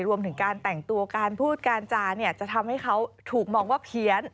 รวมถึงการแต่งตัวการพูดการจาเนี่ยจะทำให้เขาถูกมองว่าเพี้ยน